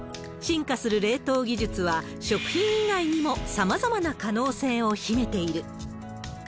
進化する冷凍技術は、食品以外にもさまざまな可能性を秘めている。